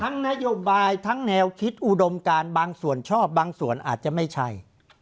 นโยบายทั้งแนวคิดอุดมการบางส่วนชอบบางส่วนอาจจะไม่ใช่